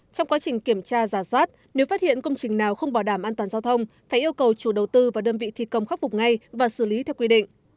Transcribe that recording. trong quá trình kiểm tra giả soát nếu phát hiện công trình nào không bảo đảm an toàn giao thông phải yêu cầu chủ đầu tư và đơn vị thi công khắc phục ngay và xử lý theo quy định